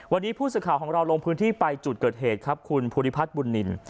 วันนี้ผู้สื่อข่าวของเราลงพื้นที่ไปจุดเกิดเหตุครับคุณภูริพัฒน์บุญนิน